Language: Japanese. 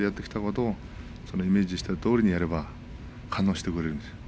イメージしたとおりにやれば対応してくれるんですよね。